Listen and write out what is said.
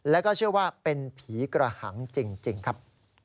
แล้วก็เชื่อว่าเป็นผีกระหังจริงครับ